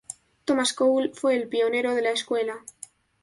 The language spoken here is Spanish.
Thomas Cole fue el pionero de la escuela.